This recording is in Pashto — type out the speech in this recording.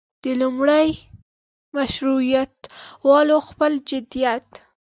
د لومړي مشروطیه والو خپل جديت.